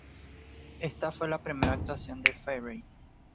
Esta fue la primera actuación de Fairey.